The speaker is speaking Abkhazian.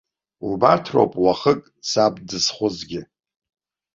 Убарҭ роуп уахык саб дызхәызгьы.